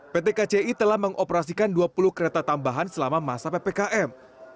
pt kci telah mengoperasikan dua puluh kereta tambahan selama masa ppkm